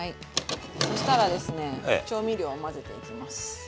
そしたらですね調味料を混ぜていきます。